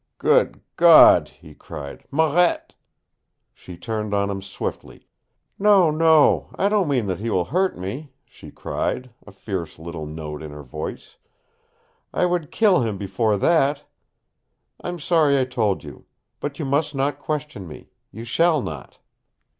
"Good God!" he cried. "Marette!" She turned on him swiftly. "No, no, I don't mean that he will hurt me," she cried, a fierce little note in her voice. "I would kill him before that! I'm sorry I told you. But you must not question me. You shall not!"